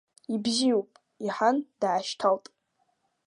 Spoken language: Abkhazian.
Ибзиоуп, иҳан, дашьҭалт.